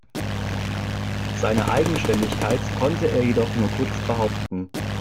Seine Eigenständigkeit konnte er jedoch nur kurz behaupten.